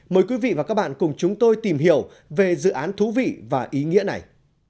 mời quý vị và các bạn cùng chúng tôi tìm hiểu về dự án thú vị và ý nghĩa này